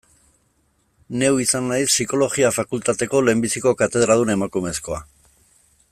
Neu izan naiz Psikologia fakultateko lehenbiziko katedradun emakumezkoa.